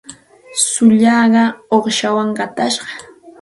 Tsullaaqa uuqshawan qatashqam.